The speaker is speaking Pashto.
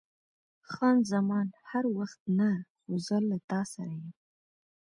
خان زمان: هر وخت نه، خو زه له تا سره یم.